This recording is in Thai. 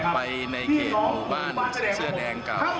ไปในเข่มาบ้านเสื้อแดงกราบ